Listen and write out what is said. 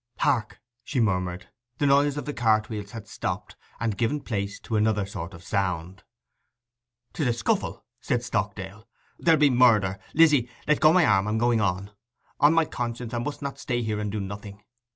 'Hark!' she murmured. The noise of the cartwheels had stopped, and given place to another sort of sound. ''Tis a scuffle!' said Stockdale. 'There'll be murder! Lizzy, let go my arm; I am going on. On my conscience, I must not stay here and do nothing!